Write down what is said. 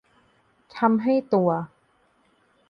ทำให้ตัว